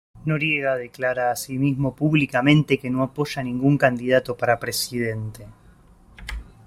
Noriega declara así mismo públicamente que no apoya a ningún candidato para presidente.